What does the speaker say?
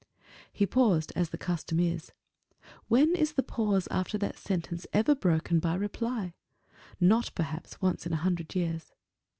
He paused, as the custom is. When is the pause after that sentence ever broken by reply? Not, perhaps, once in a hundred years.